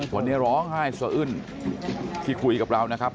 วันนี้ร้องไห้สะอึ้นที่คุยกับเรานะครับ